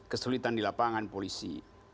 kesulitan di lapangan polisi